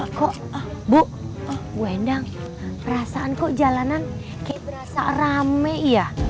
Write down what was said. kok bu endang perasaan kok jalanan kayak berasa rame iya